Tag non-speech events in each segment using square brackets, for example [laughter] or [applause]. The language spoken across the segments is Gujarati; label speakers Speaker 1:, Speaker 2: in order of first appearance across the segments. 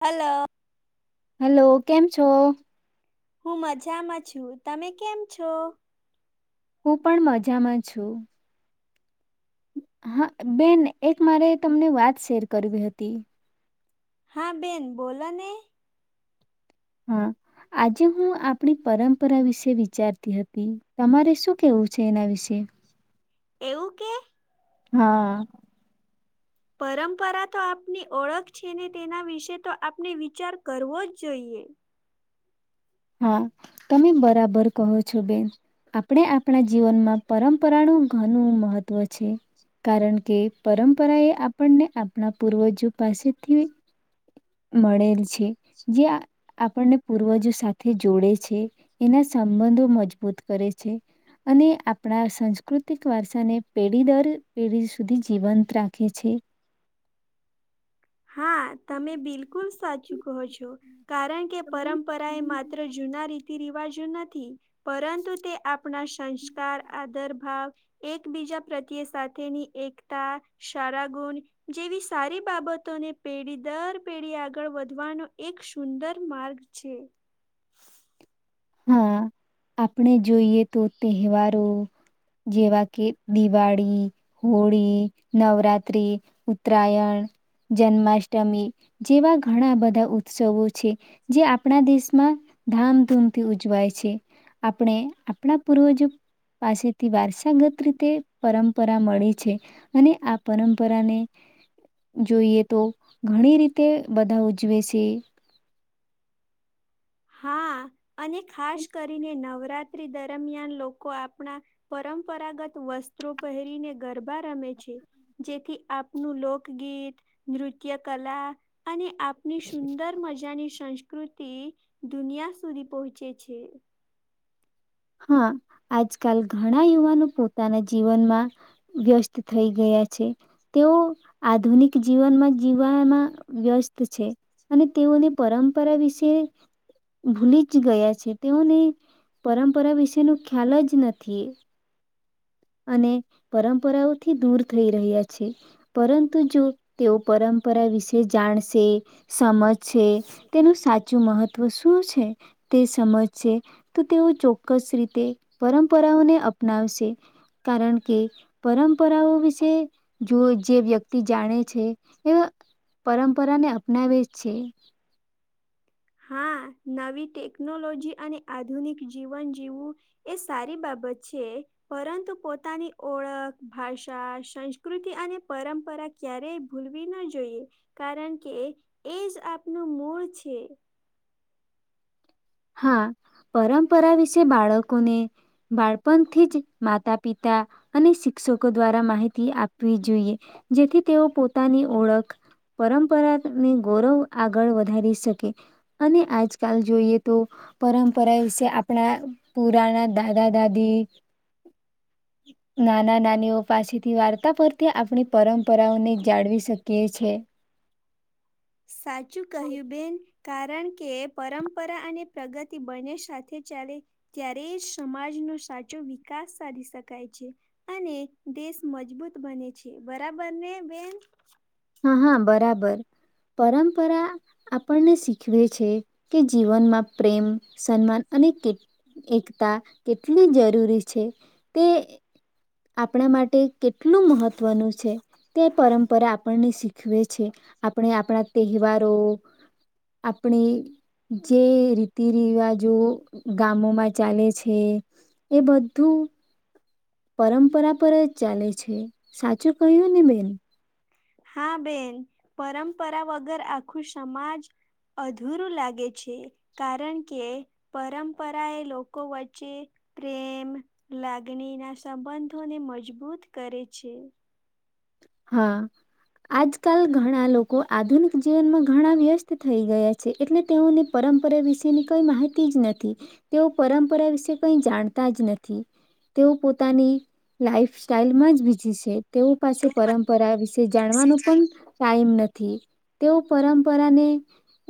Speaker 1: હલો.
Speaker 2: હલો કેમ છો?
Speaker 1: હું મજામાં છું, તમે કેમ છો?
Speaker 2: હું પણ મજામાં છું. હા બેન એક મારે તમને વાત શેર કરવી હતી.
Speaker 1: હા બેન બોલો ને!
Speaker 2: હા, આજે હું આપણી પરંપરા વિશે વિચારતી હતી, તમારે શું કેવું છે એના વિશે?
Speaker 1: એવું કે?
Speaker 2: હા.
Speaker 1: પરંપરા તો આપની ઓળખ છે ને તેના વિશે તો આપને વિચાર કરવો જ જોઈએ.
Speaker 2: હા તમે બરાબર કહો છો બેન, આપણે આપણા જીવનમાં પરંપરાનું ઘનુ મહત્ત્વ છે, કારણ કે પરંપરા એ આપણને આપણા પૂર્વજો પાસેથી મળેલ છે જે આ આપણને પૂર્વજો સા થે જોડે છે, એના સંબંધો મજબૂત કરે છે અને આપણા સંસ્કૃતિક વારસાને પેઢી દર પેઢી સુધી જીવંત રાખે છે.
Speaker 1: હા, તમે બિલકુલ સા શું કહો છો? કારણ કે પરંપરા એ માત્ર જૂના રીત રિવાજો નથી. પરંતુ તે આપણા સંસ્કાર આદર હા, એકબીજા પ્રત્યે સાથેની એકતા, સારા ગુણ જેવી સારી બાબત ને પેઢી દર પેઢી આગળ વધવાનો એક સુંદર માર્ગ છે.
Speaker 2: હા, આપણે જોઈએ તો તહેવારો, જેવા કે દિવાળી, હોળી, નવરાત્ર્રી, ઉત્તરાયણ, જન્માષ્ટમી જેવા ઘણા બધા ઉત્સવો છે, જે આપણા દેશમાં ધામધૂમ થી ઉજવાય છે, આપણે આપણા પૂર્વજો પાસેથી વારસાગત રીતે પરંપરા મળે છે, અને આ પરંપરાને, જોઈએ તો ઘણી રીતે બધા ઉજવે છે.
Speaker 1: હા અને ખાસ કરીને નવરાત્રી દરમિયાન લોકો આપણા, પરંપરાગત વસ્ત્રો પહેરીને ગરબા રમે છે, જેથી આપણું લોકગીત, નૃત્ય કલા. અને આપની સુંદર મજાની સં કૃતિ. દુનિયા સુધી પહોંચે છે.
Speaker 2: હા, આજકાલ ઘણા યુવાનો પોતાના જીવનમાં, વ્યસ્ત થઈ ગયા છે, તેઓ આધુનિક જીવનમાં જીવવામાં વ્યસ્ત છે, અને તેઓની પરંપરા વિશે, ભૂલી જ ગયા છે તેઓને પરં પરા વિશેનો ખ્યાલ જ નથી. અને, પરંપરાઓથી દૂર થઈ રહ્યા છે, પરંતુ જો તેઓ પરંપરા વિશે જાણશે, સમજ છે, તેનું સાચું ચું મહત્વ શું છે, તે સમજશે, તો તેઓ ચોક્કસ રીતે પરંપરાઓને અપનાવશે. કારણ કે, પરંપરાઓ વિશે જો જે વ્યક્તિ જાણે છે એ પરંપરાને અપનાવે છે.
Speaker 1: હા નવી ટેકનોલોજી અને આધુનિક જીવન જીવવું, એ સારી બાબત છે પરંતુ પોતાની ઓળખ ભાષા સંસ્કૃતિ અને પરંપરા ક્યારેય ભૂલવી ન જોઈએ, કારણ કે એ જ આપનું મૂળ છે.
Speaker 2: હા, પરંપરા વિશે બાળકોને, બાળપણથી જ માતા પિતા અને શિક્ષકો દ્વારા માહિતી આપવી જોઈએ, જેથી તેઓ પોતાની ઓળખ પરંપરાને ગૌરવ આગળ વધારી શકે, અને આજકાલ જોઈએ તો, પરંપરા વિશે આપણા પુરાના દાદા દાદી, નાના નાનીઓ પાસેથી વાર્તા પરથી આપણી પરંપરાઓને જાળવી શકીએ છે.
Speaker 1: સાચું કહ્યું બેન. કારણ કે પરંપરા અને પ્રગતિ બંને સાથે ચાલે ત્યારે સમાજનો સાચો વિકાસ સાધી શકાય છે અને દેશ મજબૂત બને છે. બરાબર ને બેન?
Speaker 2: હા હા બરાબર. પરંપરા આપણને શીખવી છે કે જીવનમાં પ્રેમ, સન્માન અને કે કેકતાં કેટલી જરૂરી છે. તે આપણી માટે કેટલું મહત્ત્વનું છે. તે પરંપરા આપણને શીખવે છે. આપણે આપણા તહેવારો આપણી જે રીતિ રિવાજો ગામોમાં ચાલે છે એ બધું પરંપરા પર જ ચાલે છે. સાચું કહ્યું ને બેન?
Speaker 1: હા બેન, પરંપરા વગર આખું સમાજ અધૂરું લાગે છે. કારણ કે પરંપરા એ લોકો વચ્ચે પ્રેમ લાગણી ના સંબંધોને મજબૂત કરે છે.
Speaker 2: હા આજકાલ ઘણા લોકો આધુનિક જીવનમાં ઘણા વ્યસ્ત થઈ ગયા છે એટલે તેઓની પરંપરા વિશેની કઈ માહિતી જ નથી. તેઓ પરંપરા વિશે કઈ જાણતા જ નથી. તેઓ પોતાની લાઈફ સ્ટાઈલમાં જ બીઝી છે તેઓ પાસે પરંપરા થી તેઓ પરંપરાને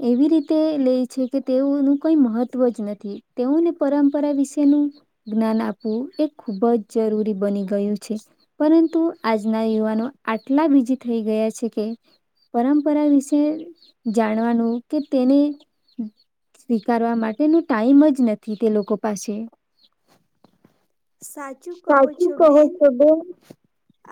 Speaker 2: એવી રીતે લે છે કે તેઓનું કઈ મહત્વ જ નથી. તેઓને પરંપરા વિશેનું જ્ઞાન આપવું તે ખૂબ જ જરૂરી બની ગયું છે પરંતુ આજના યુવાનો આટલા બીજી થઈ ગયા છે કે પરંપરા વિશે જાણવાનું કે તેને સ્વીકારવા માટેનો ટાઈમ જ નથી તે લોકો પાસે.
Speaker 1: સાચું કહો
Speaker 2: સ્ટાચૂ કહો છો બેન.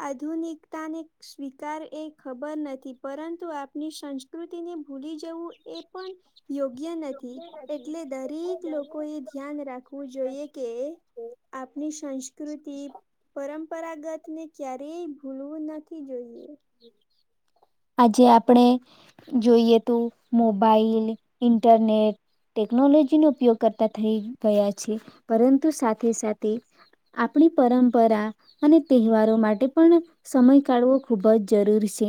Speaker 1: આધુનિકતાની સ્વીકાર એ ખબર નથી પરંતુ આપણી સંસ્કૃતિને ભૂલી જવું એ પણ યોગ્ય નથી. એટલે દરેક લોકો એ ધ્યાન રાખવું જોઈએ કે આપણી સંસ્કૃતિ, પરં- પરાગતની ક્યારેય ભૂલવું નથી જોઈએ.
Speaker 2: આજે આપણે જોઈએ તો મોબાઈલ, ઇન્ટરનેટ, ટેકનોલોજીનો ઉપયોગ કરતા થઇ ગયા છે. પરંતુ સાથે સાથે આપણી પરંપરા અને તહેવારો માટે પણ સમય કાઢવો ખૂબ જ જરૂરી શે.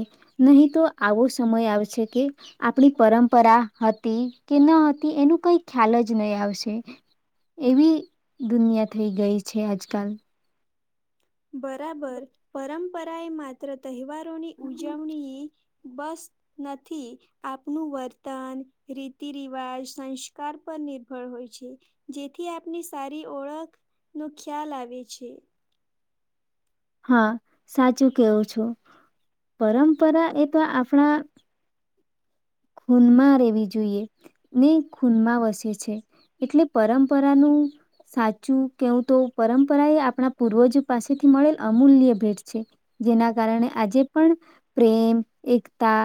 Speaker 2: નહીં તો આવો સમય આવશે કે આપણી પરંપરા હતી કે ન હતી એનું કઈ ખ્યાલ જ નહીં આવશે. એવી દુનિયા થઈ ગઈ છે આજકાલ.
Speaker 1: બરાબર. પરમ પરાય માત્ર તહેવા ર ની ઉજવણી બસ નથી. આપનું વર્તન, રીતિ રિવાજ, સંસ્કાર પર નિર્ભર હોય છે. જેથી આપની સારી ઓળખ નો ખ્યાલ આવે છે.
Speaker 2: હા સાચું કેવું છું. પરંપરા એ તો આપણા ખૂનમાં રહેેવી જોઈએ ને ખૂનમાં વસે છે એટલે પરંપરાનું સાચું કેવું તો પરંપરા એ આપણા પૂર્વજ પાસેથી મળેલ અમૂલ્ય ભેટ છે જેના કારણે આજે પણ પ્રેમ એકતા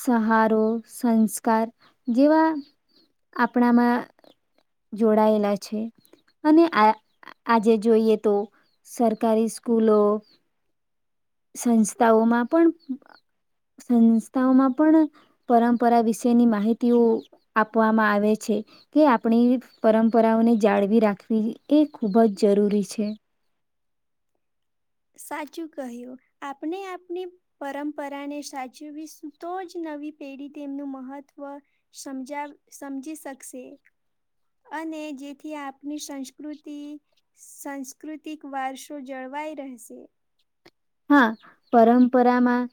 Speaker 2: સહાદ સંસ્કાર જેવા આપણામાં જોડાયેલા છે અને અ આજે જોઈએ તો સરકારી સ્કૂલો સંસ્થાઓમાં પણ સંસ્થાઓમાં પણ પરંપરા વિશેની માહિતીઓ આપવામાં આવે છે કે આપણી પરંપરાઓને જાળવી રાખવી એ ખૂબ જ જરૂરી છે.
Speaker 1: સાચું કહ્યું આપણે આપણી પરંપરાને સાચવીશ તો જ નવી પેઢી તેમનું મહત્વ સમજવ સમજી શકશે અને જેથી આપણી સંસ્કૃતિ સાંસ્કૃતિક વારસો જળવાય રહે. [inaudible]
Speaker 2: હા પરંપરામાં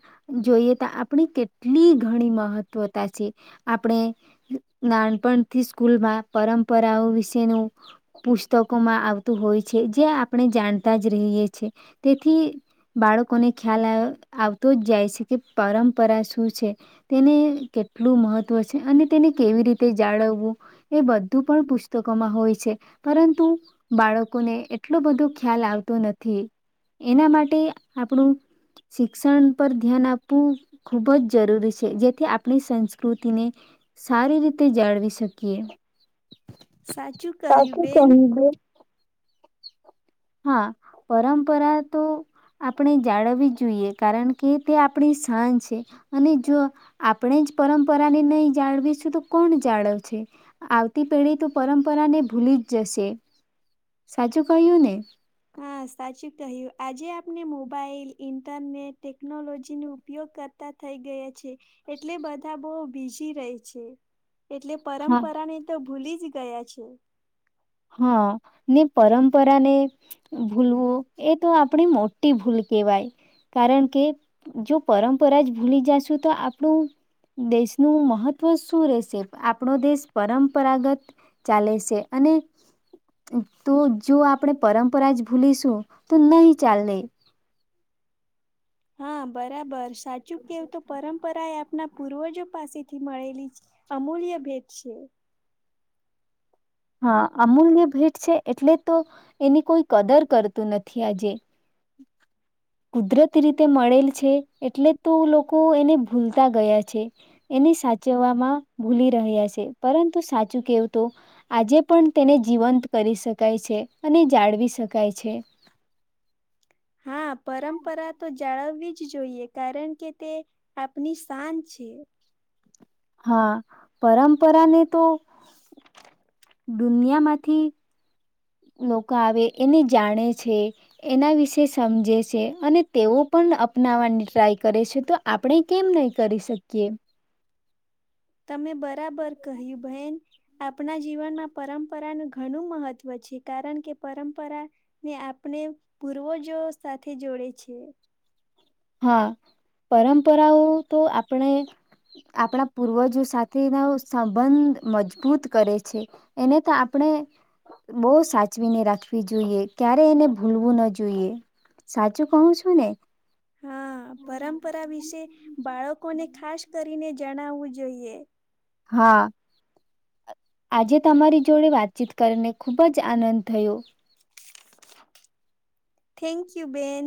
Speaker 2: જોઈએ તો આપણી કેટલી ઘણી મહત્વતા છે આપણે નાનપણથી સ્કૂલમાં પરંપરાઓ વિશેનું પુસ્તકોમાં આવતું હોય છે જે આપણે જાણતા જ રહીએ છીએ તેથી બાળકોને ખ્યાલ આવતો જ જાય છે કે પરંપરા શું છે તેને કેટલું મહત્ત્વ છે અને તેને કેવી રીતે જાળવવું એ બધું પણ પુસ્તકોમાં હોય છે પરંતુ બાળકોને એટલો બધો ખ્યાલ આવતો નથી એના માટે આપણું શિક્ષણ પર ધ્યાન આપવું ખૂબ જ જરૂરી છે જેથી આપણી સંસ્કૃતિને સારી રીતે જાળવી શકીએ.
Speaker 1: સાચું કહ્યું બેન.
Speaker 2: હા પરંપરા તો આપણે જાળવી જ જોઈએ કારણ કે તે આપણી શાન છે અને જો આપણે જ પરંપરાને નહી જાળવીશું તો કોણ જાળવશે આવતી પેઢી તો પરંપરાને ભૂલી જ જશે સાચું કહ્યું ને.
Speaker 1: હા સાચું કહ્યું આજે આપણે મોબાઈલ ઈન્ટરનેટ ટેકનોલોજીનો ઉપયોગ કરતા થઇ ગયા છે. એટલે બધા બો બીજી રહે છે. એટલે
Speaker 2: હા
Speaker 1: પરંપરાને તો ભૂલી જ ગયા છે.
Speaker 2: હા ને પરંપરાને ભૂલવું એ તો આપણી મોટી ભૂલ કેહેવાય કારણ કે જો પરંપરા જ ભૂલી જશું તો આપણું દેશનું મહત્વ શું રહેશે આપણો દેશ પરંપરાગત ચાલે છે અને તો જો આપણે પરંપરા જ ભૂલીશું તો નહી ચાલે.
Speaker 1: હા બરાબર છે. સાચું કેવું તો પરંપરા એ આપના પૂર્વજો પાસેથી મળેલી અમૂલ્ય ભેટ છે.
Speaker 2: હા અમૂલ્ય ભેટ છે એટલે તો એની કોઈ કદર કરતું નથી આજે કુદરત રીતે મળેલ છે એટલે તો લોકો એને ભૂલતા ગયા છે એને સાચવવામાં ભૂલી રહ્યા છે પરંતુ સાચું કેવ તો આજે પણ તેને જીવંત કરી શકાય છે અને જાળવી શકાય છે.
Speaker 1: હા પરંપરા તો જાળવવી જ જોઈએ કારણ કે તે આપની શાન છે.
Speaker 2: હા પરંપરાને તો
Speaker 1: [inaudible]
Speaker 2: દુનિયામાંથી લોકો આવે એને જાણે છે એના વિશે સમજે છે અને તેઓ પણ અપનાવાની ટ્રાય કરે છે તો આપણે કેમ નહી કરી શકીએ.
Speaker 1: તમે બરાબર કહ્યું બહેન. આપણા જીવનમાં પરંપરાનું ઘણું મહત્વ છે કારણ કે પરંપરાને આપણે પૂર્વજો સાથે જોડે છે.
Speaker 2: હા પરંપરાઓ તો આપણે આપણા પૂર્વજો સાથેઓના સંબંધ મજબૂત કરે છે એને તો આપણે બો સાચવીને રાખવી જોઈએ ક્યારે એને ભૂલવું ન જોઈએ સાચું કહું છું ને.
Speaker 1: હા પરંપરા વિશે બાળકોને ખાસ કરીને જણાવવું જોઈએ.
Speaker 2: હા આજે તમારી જોડે વાતચીત કરીને ખુબ જ આનંદ થયો.
Speaker 1: થેન્ક યુ બેન.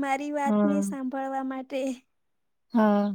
Speaker 1: મારી વાત ને
Speaker 2: હમ
Speaker 1: સાંભળવા માટે. તે
Speaker 2: હા